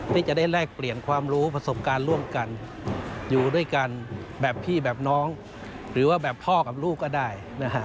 ที่จะได้แลกเปลี่ยนความรู้ประสบการณ์ร่วมกันอยู่ด้วยกันแบบพี่แบบน้องหรือว่าแบบพ่อกับลูกก็ได้นะฮะ